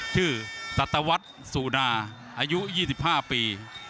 ชื่อสัตวัสซูนาอายุ๒๕ปี